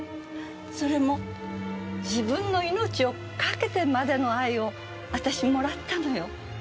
それも自分の命をかけてまでの愛を私もらったのよ。